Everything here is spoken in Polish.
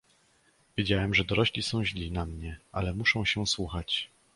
"Wiedziałem, że dorośli są źli na mnie, ale muszą się słuchać."